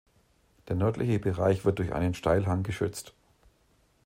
Der nördliche Bereich wird durch einen Steilhang geschützt.